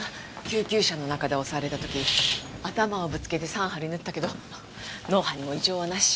救急車の中で襲われた時頭をぶつけて３針縫ったけど脳波にも異常はなし。